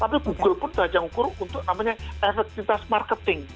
tapi google pun tak bisa mengukur untuk efektifitas marketing